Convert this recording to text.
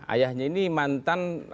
ayahnya ini mantan